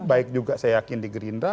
baik juga saya yakin di gerindra